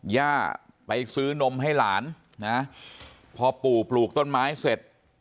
ย่าไปซื้อนมให้หลานนะพอปู่ปลูกต้นไม้เสร็จ